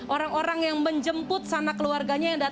orang orang yang menjemput sana keluarganya yang datang